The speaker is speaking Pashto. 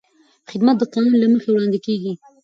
خدمت د قانون له مخې وړاندې کېږي.